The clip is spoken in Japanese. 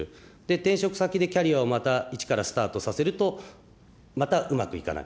転職先でキャリアをまた一からスタートさせると、またうまくいかない。